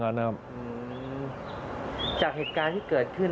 จะรับผิดชอบกับความเสียหายที่เกิดขึ้น